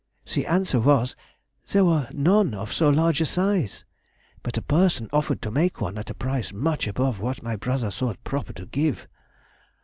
The answer was, there were none of so large a size, but a person offered to make one at a price much above what my brother thought proper to give....